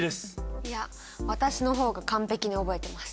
いや私の方が完璧に覚えてます！